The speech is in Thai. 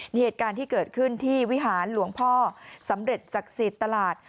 นี่เหตุการณ์ที่เกิดขึ้นที่วิหารหลวงพ่อสำเร็จศักดิ์สิทธิ์ตลาด